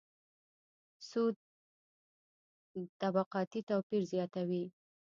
سود طبقاتي توپیر زیاتوي.